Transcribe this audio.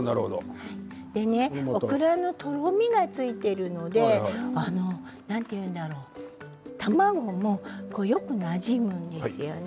でね、オクラのとろみがついているので何て言うんだろう卵もよくなじむんですよね。